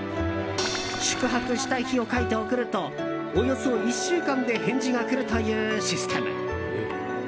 宿泊したい日を書いて送るとおよそ１週間で返事がくるというシステム。